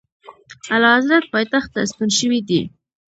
اعلیحضرت پایتخت ته ستون شوی دی.